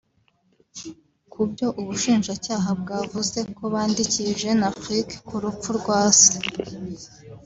ku byo Ubushinjacyaha bwavuze ko bandikiye Jeune Afrique ku rupfu rwa Se